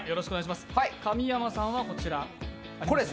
神山さんはこちら。